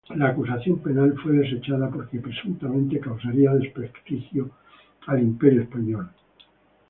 La acusación penal fue desechada porque presuntamente causaría desprestigio al imperio español.